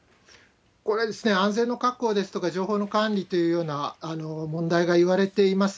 これ、安全の確保ですとか、情報の管理というような問題がいわれています。